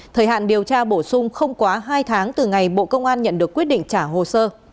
thời hạn điều tra bổ sung không quá hai tháng từ ngày bộ công an nhận được quyết định trả hồ sơ